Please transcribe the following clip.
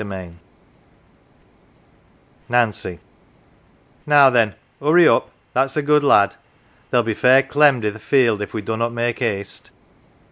NANCY NANCY " Now then, hurry up that's a good lad ! They'll be fair clemmed i 1 th" 1 field if we dunnot make haste."